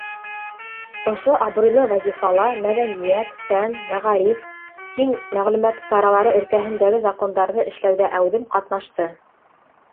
Ошо абруйлы вазифала мәҙәниәт, фән, мәғариф, киң мәғлүмәт саралары өлкәһендәге закондарҙы эшләүҙә әүҙем ҡатнашты.